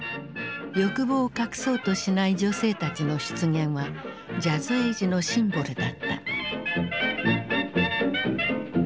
欲望を隠そうとしない女性たちの出現はジャズエイジのシンボルだった。